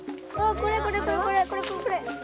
これこれこれ！